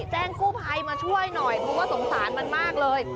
แจ้งกู้ภัยมาช่วยหน่อยเพราะว่าสงสารมันมากเลย